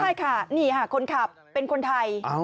ใช่ค่ะนี่ค่ะคนขับเป็นคนไทย